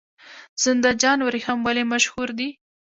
زنده جان وریښم ولې مشهور دي؟